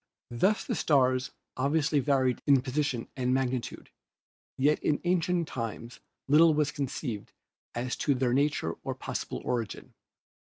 Thus the stars obviously vary in position and mag nitude, yet in ancient times little was conceived as to their nature or possible origin.